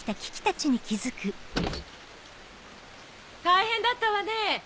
大変だったわね